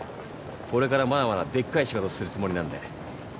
これからまだまだでっかい仕事するつもりなんで。